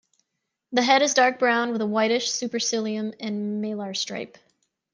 The head is dark brown with a whitish supercilium and malar stripe.